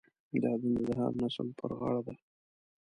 دا دنده د هر نسل پر غاړه ده.